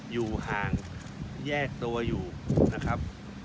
อยู่ห่างแยกตัวอยู่นะครับ